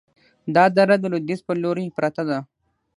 دا دره د لویدیځ په لوري پرته ده،